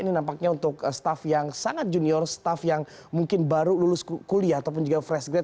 ini nampaknya untuk staff yang sangat junior staff yang mungkin baru lulus kuliah ataupun juga fresh grade